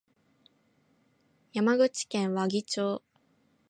山口県和木町